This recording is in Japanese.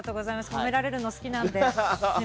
褒められるの好きなんで。